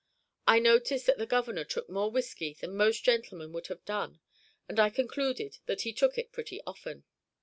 I noticed that the Governor took more whisky than most gentlemen would have done, and I concluded that he took it pretty often.